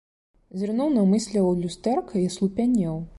Зірнуў наўмысля ў люстэрка і аслупянеў.